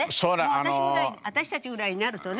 もう私たちぐらいになるとね。